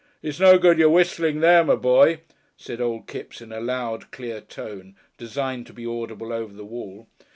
"It's no good your whistling there, my boy," said Old Kipps in a loud, clear tone, designed to be audible over the wall.